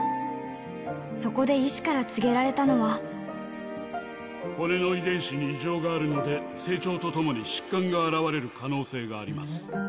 そこで医師から告げられたの骨の遺伝子に異常があるので、成長とともに疾患が現れる可能性があります。